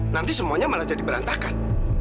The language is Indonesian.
nanti semuanya malah jadi berantakan